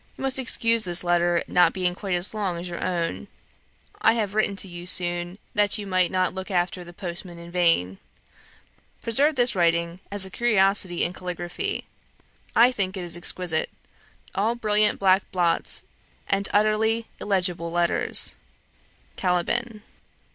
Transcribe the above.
You must excuse this letter not being quite as long as your own. I have written to you soon, that you might not look after the postman in vain. Preserve this writing as a curiosity in caligraphy I think it is exquisite all brilliant black blots, and utterly illegible letters. 'CALIBAN.'